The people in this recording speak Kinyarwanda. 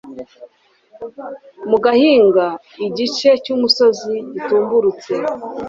mu gahinga igice cy'umusozi gitumburutse